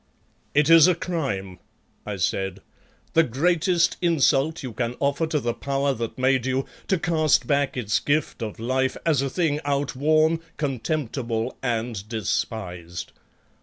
"It is a crime," I said, "the greatest insult you can offer to the Power that made you, to cast back its gift of life as a thing outworn, contemptible and despised.